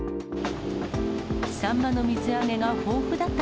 サンマの水揚げが豊富だった